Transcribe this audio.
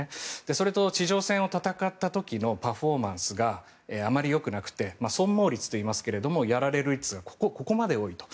それと、地上戦を戦った時のパフォーマンスがあまりよくなくて損耗率といいますがやられる率がここまで多いと。